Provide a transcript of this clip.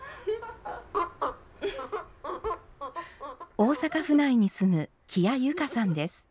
大阪府内に住む木屋有加さんです。